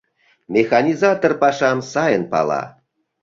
Механизатор пашам сайын пала.